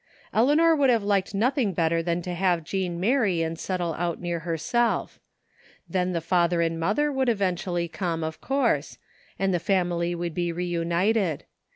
Eleanor would have liked nothing better than to have Jean marry and settle out near herself. Then the father and mother would eventually come, of course, and the family would be reunited.